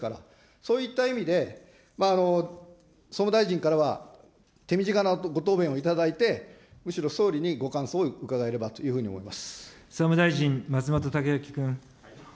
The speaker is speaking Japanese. そういった意味で、総務大臣からは手短なご答弁をいただいて、むしろ総理にご感想を伺えればというふうに思います。